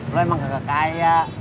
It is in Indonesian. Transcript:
lu emang gak kekaya